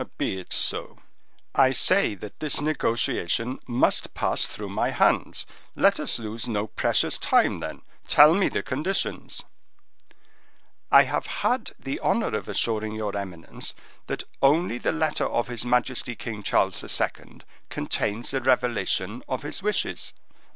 "Be it so. I say that this negotiation must pass through my hands. Let us lose no precious time, then. Tell me the conditions." "I have had the honor of assuring your eminence that only the letter of his majesty King Charles II. contains the revelation of his wishes."